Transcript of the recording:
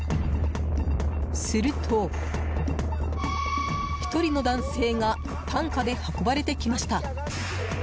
すると、１人の男性が担架で運ばれて来ました。